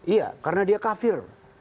iya karena dia kafir